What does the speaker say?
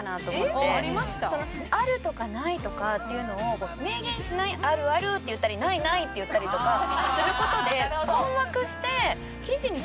「ある」とか「ない」とかっていうのを明言しない「あるあるぅ！！」って言ったり「ないない！！」って言ったりとかする事で困惑して記事にしにくいと思うんですよ。